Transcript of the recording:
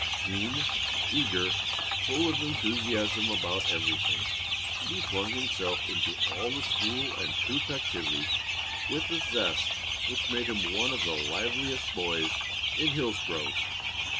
Keen, eager, full of enthusiasm about everything, he flung himself into all the school and troop activities with a zest which made him one of the livest boys in Hillsgrove.